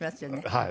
はい。